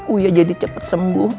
uya jadi cepet sembuh